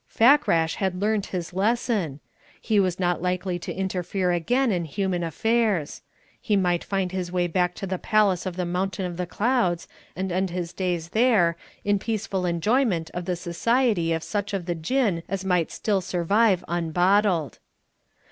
Fakrash had learnt his lesson: he was not likely to interfere again in human affairs; he might find his way back to the Palace of the Mountain of the Clouds and end his days there, in peaceful enjoyment of the society of such of the Jinn as might still survive unbottled.